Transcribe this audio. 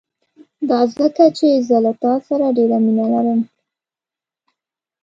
دا ځکه چې زه له تا سره ډېره مينه لرم.